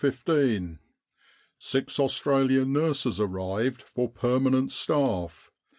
Six Australian nurses arrived for permanent staff.